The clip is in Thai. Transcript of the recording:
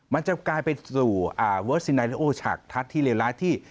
มันจะกลายเป็นสู่เวิร์ดสินาทิโอฉากทัดที่เรียบร้ายที่